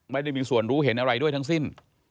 ไม่ได้มีส่วนรู้เห็นอะไรด้วยทั้งสิ้น